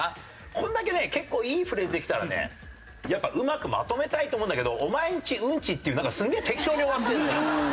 これだけね結構いいフレーズできたらねうまくまとめたいと思うんだけど「お前ん家うんち」っていうすげえ適当に終わってるんですよ。